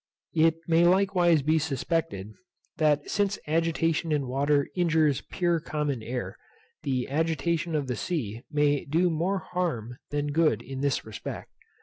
It may likewise be suspected, that since agitation in water injures pure common air, the agitation of the sea may do more harm than good in this respect.